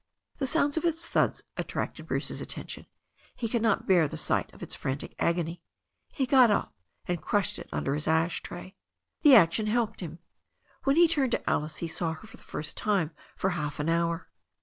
The sound of its thuds attracted Bruce's attention. He could not bear the sight of its frantic agony. He got up and crushed it imder his ash tray. The action helped him. When he turned to Alice he saw her for the first time for half an hour.